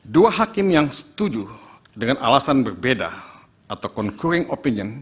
dua hakim yang setuju dengan alasan berbeda atau concruing opinion